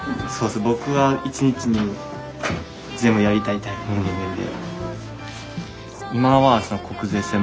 僕は一日に全部やりたいタイプの人間で。